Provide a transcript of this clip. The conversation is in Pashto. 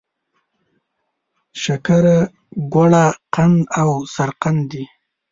شکره، ګوړه، قند او سرقند دي.